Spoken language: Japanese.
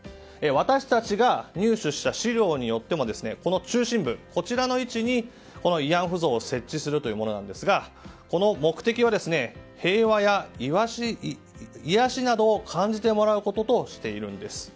私たちが入手した資料によってもこの中心部の位置に慰安婦像を設置するというものなんですがこの目的は、平和や癒やしなどを感じてもらうこととしているんです。